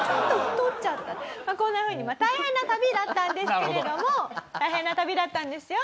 まあこんなふうに大変な旅だったんですけれども大変な旅だったんですよ。